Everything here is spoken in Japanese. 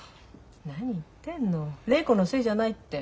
何言ってんの礼子のせいじゃないって。